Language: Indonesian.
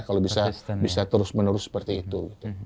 kalau bisa terus menerus seperti itu